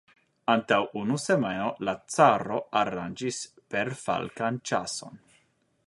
Antaŭ unu semajno la caro aranĝis perfalkan ĉason!